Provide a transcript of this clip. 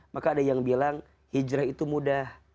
maka ada yang bilang hijrah itu mudah